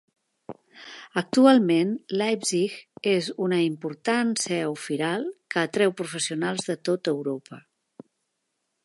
Actualment Leipzig és una important seu firal que atreu professionals de tot Europa.